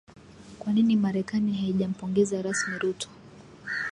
Kwa nini Marekani haijampongeza rasmi Ruto